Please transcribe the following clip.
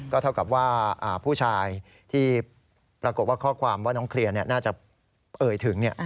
เท่ากับว่าผู้ชายที่ปรากฏว่าข้อความว่าน้องเคลียร์น่าจะเอ่ยถึง